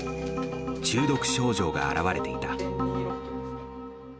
中毒症状が現れていた。